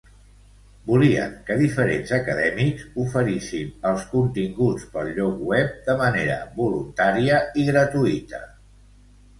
Volien que diferents acadèmics oferissin els continguts pel lloc web de manera voluntària i gratuïta.